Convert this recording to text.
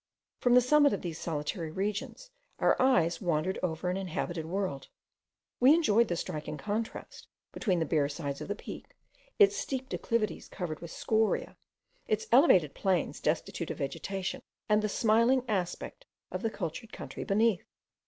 From the summit of these solitary regions our eyes wandered over an inhabited world; we enjoyed the striking contrast between the bare sides of the peak, its steep declivities covered with scoriae, its elevated plains destitute of vegetation, and the smiling aspect of the cultured country beneath.